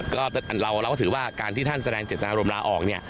ก็เราก็ถือว่าการท่านแสดงอารมณ์ลาออก